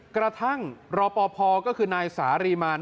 กระทั่งรอปภก็คือนายสารีมาร